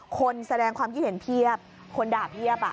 คนแสดงความคิดเห็นเพียบคนด่าเพียบ